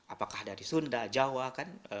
apakah dari sunda jawa kan